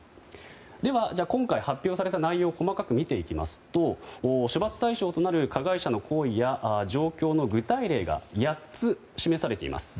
では、今回発表された内容を細かく見ていきますと処罰対象となる加害者の行為や状況の具体例が８つ、示されています。